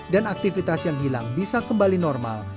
dan aktivitas yang hilang bisa kembali normal